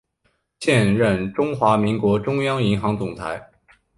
现任中华民国中央银行总裁。